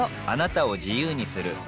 あなたを自由にする